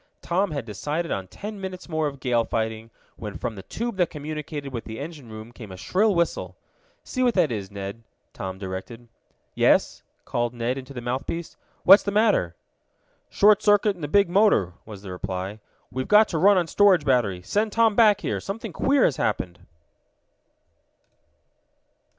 Tom had decided on ten minutes more of gale fighting, when from the tube that communicated with the engine room came a shrill whistle. "See what that is, Ned," Tom directed. "Yes," called Ned into the mouthpiece. "What's the matter?" "Short circuit in the big motor," was the reply. "We've got to run on storage battery. Send Tom back here! Something queer has happened!"